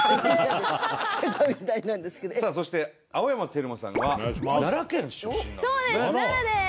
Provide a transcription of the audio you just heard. さあそして青山テルマさんは奈良県出身なんですね。